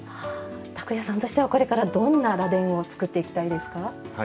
拓也さんとしてはこれからどんな螺鈿を作っていきたいですか？